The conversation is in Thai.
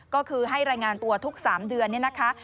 ก็คือให้รายงานตัวทุก๓เดือนเนี่ยนะคะ